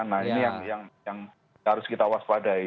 nah ini yang harus kita waspadai